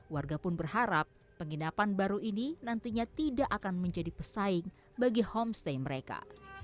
warga pun berharap penginapan baru ini nantinya tidak akan menjadi pesaing bagi homestay mereka